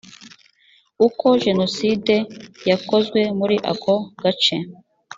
uko jenoside yakozwe muri ako gace